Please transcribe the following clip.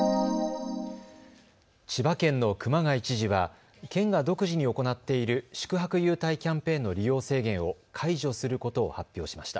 千葉県の熊谷知事は県が独自に行っている宿泊優待キャンペーンの利用制限を解除することを発表しました。